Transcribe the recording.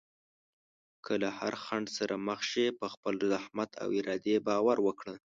که له هر خنډ سره مخ شې، په خپل زحمت او ارادې باور وکړه.